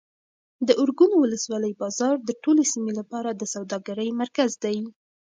د ارګون ولسوالۍ بازار د ټولې سیمې لپاره د سوداګرۍ مرکز دی.